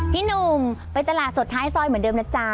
พี่หนุ่มไปตลาดสดท้ายซอยเหมือนเดิมนะจ๊ะ